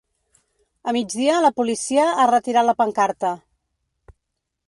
A migdia la policia ha retirat la pancarta.